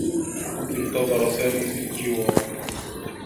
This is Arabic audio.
انتظر سامي بالجوار.